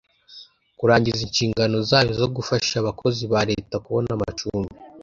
kurangiza inshingano zayo zo gufasha abakozi ba leta kubona amacumbi